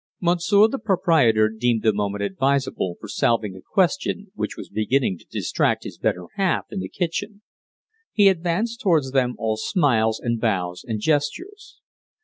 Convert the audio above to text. Monsieur the proprietor deemed the moment advisable for solving a question which was beginning to distract his better half in the kitchen. He advanced towards them, all smiles and bows and gestures.